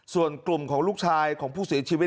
ส่วนกลุ่มของลูกชายของผู้เสียชีวิต